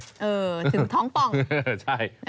ถึงท้องป้อง